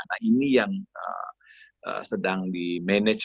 nah ini yang sedang di manage